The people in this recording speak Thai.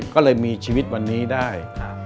ก็เลยมีชีวิตวันนี้ได้